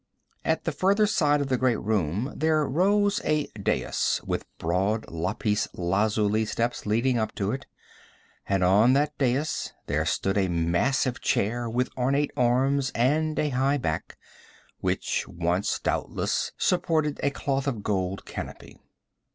At the farther side of the great room there rose a dais with broad lapis lazuli steps leading up to it, and on that dais there stood a massive chair with ornate arms and a high back which once doubtless supported a cloth of gold canopy.